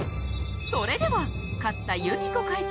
それでは勝った有美子会長